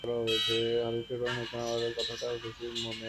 হারুকে নৌকায় নামাইয়া লওয়ার কথাটা তখন শশীর মনে হয়।